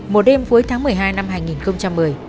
một đêm cuối tháng một mươi hai năm hai nghìn một mươi